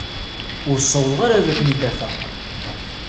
Ur ssawḍeɣ ara ad ken-id-afeɣ.